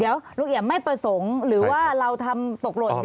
เดี๋ยวลุงเอี่ยมไม่ประสงค์หรือว่าเราทำตกหล่น